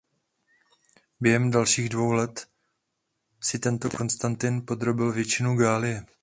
Během dalších dvou let si tento Konstantin podrobil většinu Galie.